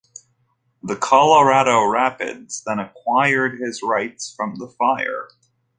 The Colorado Rapids then acquired his rights from the Fire.